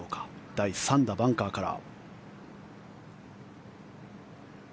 第３打、バンカーから。